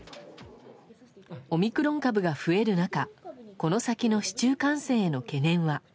オミクロン株が増える中この先の市中感染への懸念は。